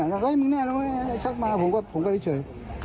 แล้วเฮ้ยมึงแน่ชักมาผมก็เจ๋ยเฉย